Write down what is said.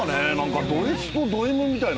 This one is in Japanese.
ドＳとドＭみたいな。